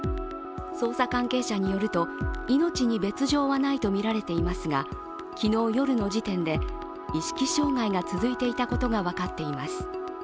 捜査関係者によると命に別状はないとみられていますが、昨日夜の時点で意識障害が続いていたことが分かっています。